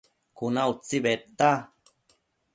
Cuna utsi bedta